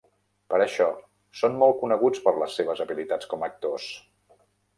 Per això, són molt coneguts per les seves habilitats com a actors.